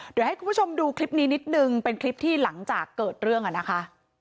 เดี๋ยวให้คุณผู้ชมดูคลิปนี้นิดนึงเป็นคลิปที่หลังจากเกิดเรื่องอ่ะนะคะ